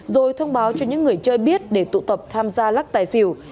rồi thông báo cho những người chơi biết để tụ tập tham gia lắc tài xỉu